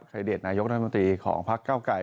เครดิตนายกรรมตรีของภักดิ์เก้าไก่